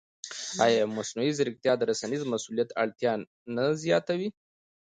ایا مصنوعي ځیرکتیا د رسنیز مسؤلیت اړتیا نه زیاتوي؟